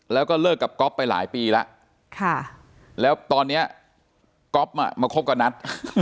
แล้วก็เลิกกับก๊อฟไปหลายปีแล้วแล้วตอนนี้ก๊อฟมาคบกับนัท